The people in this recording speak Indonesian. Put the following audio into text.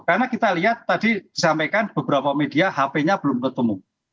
karena kita lihat tadi disampaikan beberapa media hp nya belum ketemu